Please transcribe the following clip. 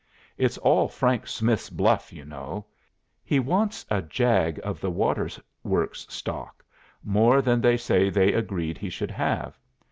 It's all Frank Smith's bluff, you know. He wants a jag of the water works stock, more than they say they agreed he should have.